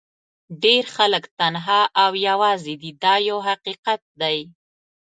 ډېر خلک تنها او یوازې دي دا یو حقیقت دی.